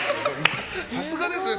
さすがですね。